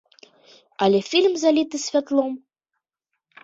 Але фільм заліты святлом.